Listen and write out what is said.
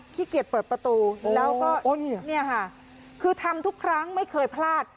ขี้เกียจเปิดประตูแล้วก็เนี่ยค่ะคือทำทุกครั้งไม่เคยพลาด